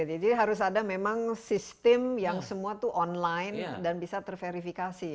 jadi harus ada memang sistem yang semua itu online dan bisa terverifikasi ya